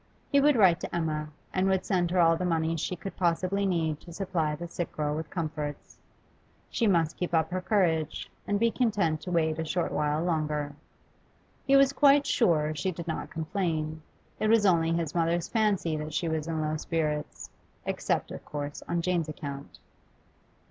He would write to Emma, and would send her all the money she could possibly need to supply the sick girl with comforts. She must keep up her courage, and be content to wait a short while longer. He was quite sure she did not complain; it was only his mother's fancy that she was in low spirits, except, of course, on Jane's account.